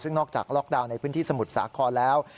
ซึ่งนอกจากล็อกดาวน์ในพื้นที่สมุทรสาครแล้ว